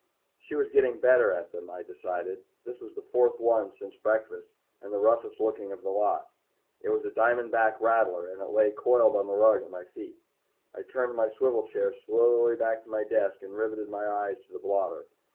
She was getting better at them, I decided. This was the fourth one since breakfast and the roughest looking of the lot. It was a diamondback rattler, and lay coiled on the rug at my feet. I turned my swivel chair slowly back to my desk and riveted my eyes to the blotter.